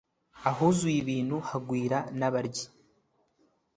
ahuzuye ibintu, hagwira n'abaryi